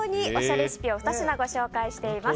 レシピを２品ご紹介しています。